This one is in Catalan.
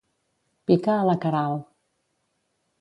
Pica a la Queralt.